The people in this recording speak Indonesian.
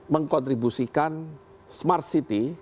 mengkontribusikan smart city